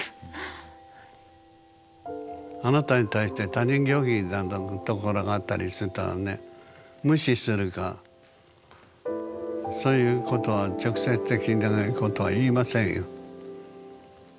あなたに対して他人行儀なところがあったりするとね無視するかそういうことは直接的なことは言いませんよ。